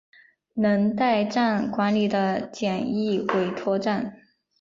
能代站管理的简易委托站。